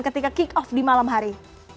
ketika kick off di malam hari